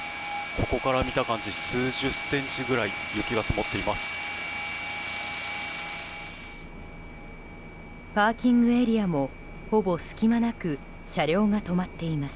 ここから見た感じ数十センチぐらい雪が積もっています。